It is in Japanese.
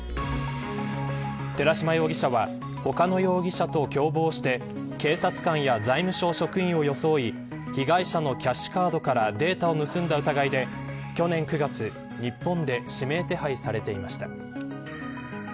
寺島容疑者は他の容疑者と共謀して警察官や財務省職員を装い被害者のキャッシュカードからデータを盗んだ疑いで去年９月、日本で指名手配されていました。